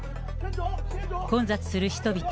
混雑する人々。